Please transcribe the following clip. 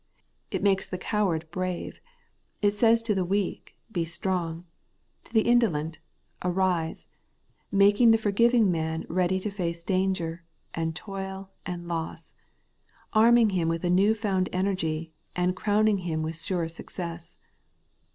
It makes the coward brave ; it says to the weak. Be strong ; to the indolent, Arise ; making the forgiving man ready to face danger, and toil, and loss ; arming him with a new found energy, and crowning him with sure success.